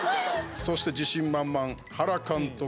そして自信満々、原監督。